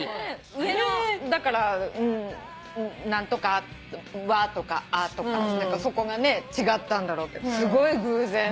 上のだから何とか「わ」とか「あ」とかそこがね違ったんだろうけどすごい偶然で。